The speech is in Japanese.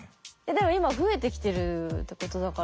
でも今増えてきてるってことだから。